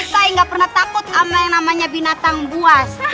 saya nggak pernah takut sama yang namanya binatang buas